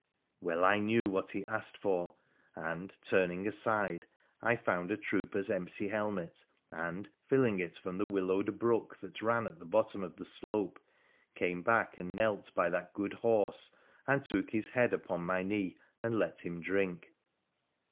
Well I knew what he asked for, and, turning aside, I found a trooper's empty helmet, and, filling it from the willowed brook that ran at the bottom of the slope, came back and knelt by that good horse, and took his head upon my knee and let him drink.